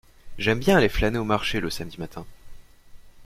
J’aime bien aller flâner au marché le samedi matin.